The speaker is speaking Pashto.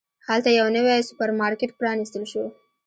هلته یو نوی سوپرمارکېټ پرانستل شو.